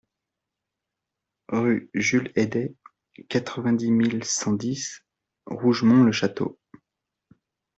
Rue Jules Heidet, quatre-vingt-dix mille cent dix Rougemont-le-Château